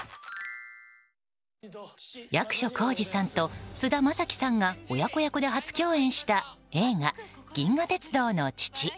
役所広司さんと菅田将暉さんが親子役で初共演した映画「銀河鉄道の父」。